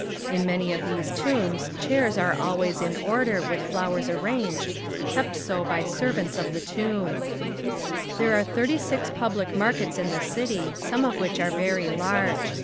In many of these tombs chairs are always in order with flowers arranged, kept so by the servants of the tomb. There are thirty six public markets in the city, some of which are very large.